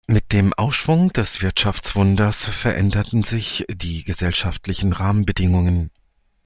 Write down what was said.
Mit dem Aufschwung des Wirtschaftswunders veränderten sich die gesellschaftlichen Rahmenbedingungen.